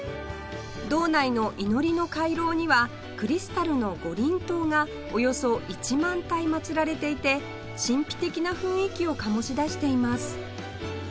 堂内の祈りの回廊にはクリスタルの五輪塔がおよそ１万体祭られていて神秘的な雰囲気を醸し出しています